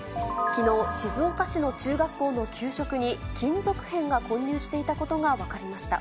きのう、静岡市の中学校の給食に、金属片が購入していたことが分かりました。